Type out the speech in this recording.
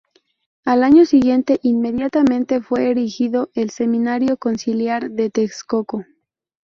Al año siguiente inmediatamente fue erigido el Seminario Conciliar de Texcoco.